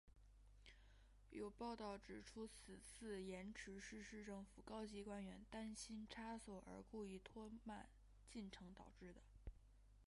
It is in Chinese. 有报导指出此次延迟是市政府高级官员担心差错而故意拖慢进程导致的。